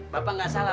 bapak nggak salah